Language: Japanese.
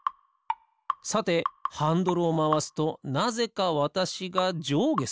さてハンドルをまわすとなぜかわたしがじょうげする。